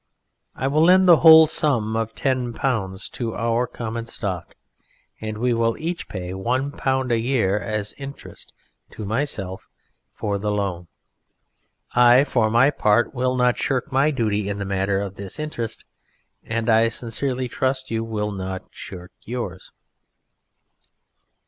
I will lend the whole sum of ten pounds to our common stock and we will each pay one pound a year as interest to myself for the loan. I for my part will not shirk my duty in the matter of this interest and I sincerely trust you will not shirk yours."